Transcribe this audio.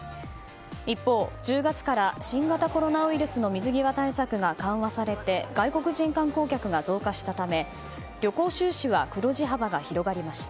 一方、１０月から新型コロナウイルスの水際対策が緩和されて外国人観光客が増加したため旅行収支は黒字幅が広がりました。